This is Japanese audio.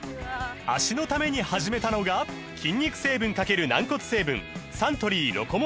脚のために始めたのが筋肉成分×軟骨成分サントリー「ロコモア」です